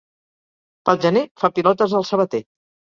Pel gener, fa pilotes el sabater.